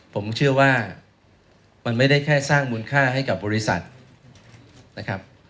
ผมเชื่อว่ามันไม่ได้แค่สร้างมูลค่าให้กับบริษัทนะครับ